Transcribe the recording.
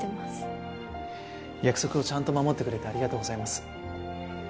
約束をちゃんと守ってくれてありがとうございます。